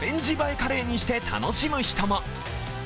カレーにして楽しむ人も。